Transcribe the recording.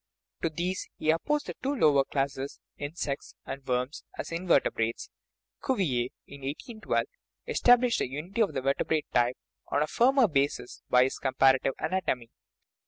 To these he opposed the two lower classes, insects and worms, as invertebrates. Cuvier (1812) established the unity of the vertebrate type on a firmer basis by his comparative anatomy.